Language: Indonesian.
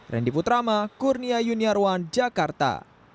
randy putrama kurnia yuniarwan jakarta